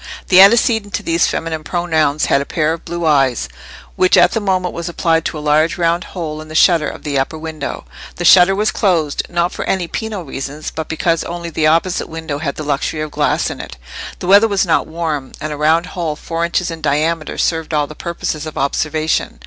The antecedent to these feminine pronouns had a pair of blue eyes, which at that moment were applied to a large round hole in the shutter of the upper window. The shutter was closed, not for any penal reasons, but because only the opposite window had the luxury of glass in it: the weather was not warm, and a round hole four inches in diameter served all the purposes of observation.